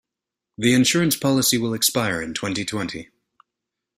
The insurance policy will expire in twenty-twenty.